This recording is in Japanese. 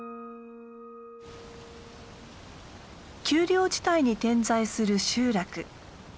丘陵地帯に点在する集落。